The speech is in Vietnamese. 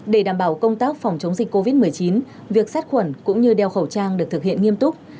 để đảm bảo công tác phòng chống dịch covid một mươi chín việc sát khuẩn cũng như đeo khẩu trang được thực hiện nghiêm túc